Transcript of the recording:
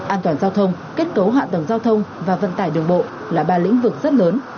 an toàn giao thông kết cấu hạ tầng giao thông và vận tải đường bộ là ba lĩnh vực rất lớn